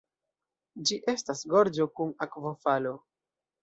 Ĝi estas gorĝo kun akvofalo.